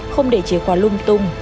không để chế khoa lung tung